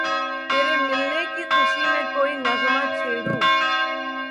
تیرے ملنے کی خوشی میں کوئی نغمہ چھیڑوں